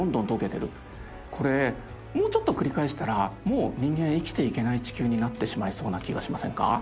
これもうちょっと繰り返したらもう人間は生きていけない地球になってしまいそうな気がしませんか？